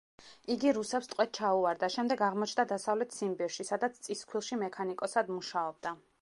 იგი რუსებს ტყვედ ჩაუვარდა, შემდეგ აღმოჩნდა დასავლეთ ციმბირში, სადაც წისქვილში მექანიკოსად მუშაობდა.